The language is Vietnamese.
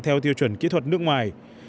theo tiêu chuẩn kỹ thuật nước ngoài